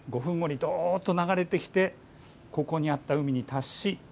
どっと流れてきてここにあった海に達し